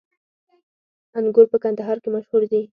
انګور په کندهار کې مشهور دي